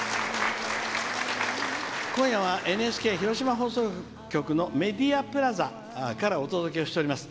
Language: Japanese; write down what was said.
今夜はＮＨＫ広島放送局のメディアプラザからお届けをしております。